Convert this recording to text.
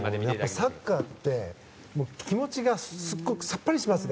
サッカーって気持ちがすごくさっぱりしますね。